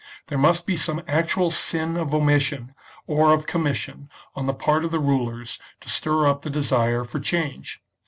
There must be some actual sin of omission or of commission on the part of the rulers to stir up the desire for change."